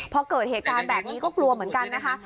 พอเกิดเหตุการณ์แบบนี้ก็กลัวเหมือนกันนะคะ